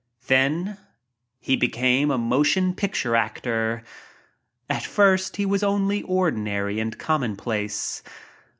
Then— he became a motion picture actor. At first he was only ordinary and commonplace.